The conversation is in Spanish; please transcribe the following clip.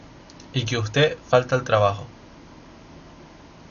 y que usted falte al trabajo